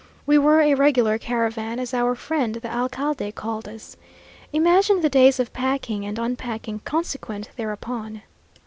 We were a regular caravan, as our friend the alcalde called us. Imagine the days of packing and unpacking consequent thereupon!